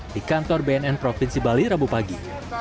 di kantor bnn provinsi bali rabu pagi